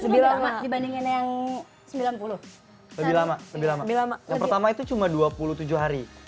lebih lama dibandingin yang sembilan puluh lebih lama lebih lama yang pertama itu cuma dua puluh tujuh hari